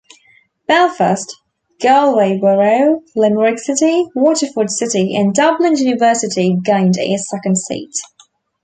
Belfast, Galway Borough, Limerick City, Waterford City and Dublin University gained a second seat.